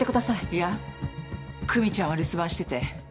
いや久実ちゃんは留守番してて。